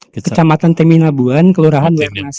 kecamatan temin labuan kelurahan wernas